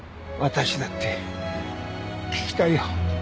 私だって聞きたいよ。